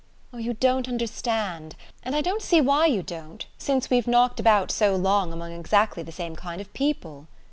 "Oh, you don't understand and I don't see why you don't, since we've knocked about so long among exactly the same kind of people."